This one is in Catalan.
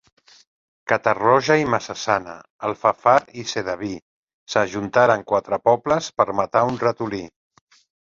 Catarroja i Massanassa, Alfafar i Sedaví; s'ajuntaren quatre pobles per matar un ratolí.